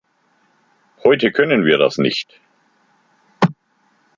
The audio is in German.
Heute können wir das nicht.